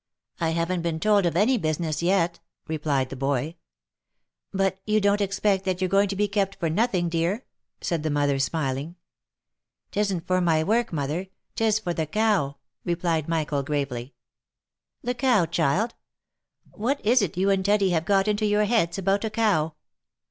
" I haven't been told of any business yet," replied the boy. '* But you don't expect that you're going to be kept for nothing, clear ?" said the mother, smiling. " 'Tisn't for my work, mother ; 'tis for the cow," replied Michael, gravely. " The cow, child ? What is it you and Teddy have got into your heads about a cow